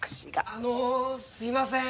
あのすいません。